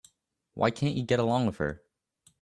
Why can't you get along with her?